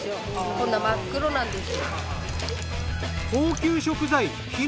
こんな真っ黒なんです。